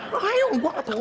lu hayung gua gak tau